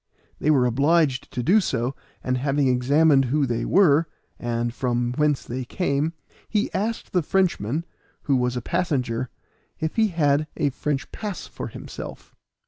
They were obliged to do so, and having examined who they were, and from whence they came, he asked the Frenchman, who was a passenger, if he had a French pass for himself?